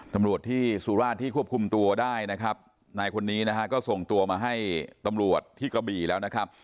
ตำรวจที่สุราชที่ควบคุมตัวได้นะครับนายคนนี้นะฮะก็ส่งตัวมาให้ตำรวจที่กระบี่แล้วนะครับ